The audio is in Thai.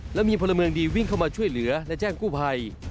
และมีพลเมืองดีวิ่งเข้ามาช่วยเหลือและแจ้งกู้ภัย